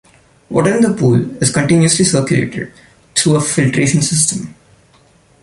Water in the pool is continuously circulated through a filtration system.